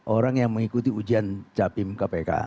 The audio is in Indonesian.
orang yang mengikuti ujian capim kpk